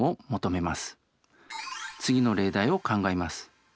次の例題を考えます。